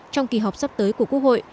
trong kỳ họp sắp tới của quốc hội